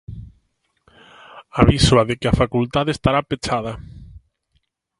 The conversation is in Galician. Avísoa de que a facultade estará pechada